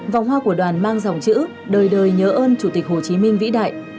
vòng hoa của đoàn mang dòng chữ đời đời nhớ ơn chủ tịch hồ chí minh vĩ đại